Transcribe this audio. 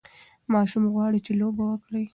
ماشوم غواړي چې لوبه وکړي.